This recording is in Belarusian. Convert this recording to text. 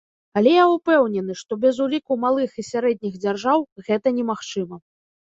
Але я ўпэўнены, што без уліку малых і сярэдніх дзяржаў гэта немагчыма.